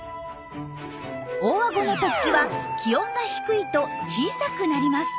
大アゴの突起は気温が低いと小さくなります。